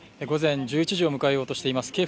午前１１時を迎えようとしています